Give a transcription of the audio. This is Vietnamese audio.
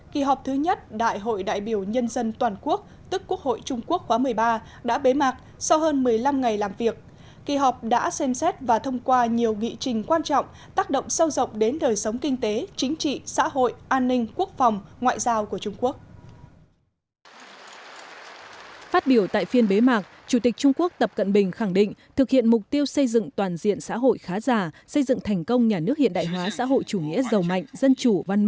kỳ họp thứ nhất đại hội đại biểu nhân dân toàn quốc